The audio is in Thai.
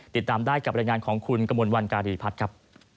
ติดตามได้กับรายงานของคุณกระมวลวันการีพัฒน์ครับ